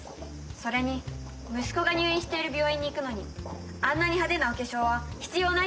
それに息子が入院している病院に行くのにあんなに派手なお化粧は必要ないと思いました。